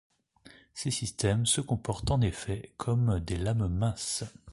Ces systèmes se comportent en effet comme des lames minces.